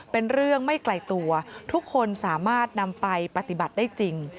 เป็นเรื่องไม่ไกลตัวทุกคนสามารถนำไปปฏิบัติได้จริง